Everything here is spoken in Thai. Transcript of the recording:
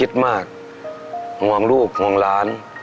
ลำบากมากคิดมากห่วงลูกห่วงร้าน